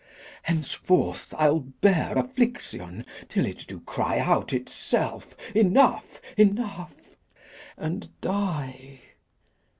Henceforth I'll bear Affliction till it do cry out itself 'Enough, enough,' and die.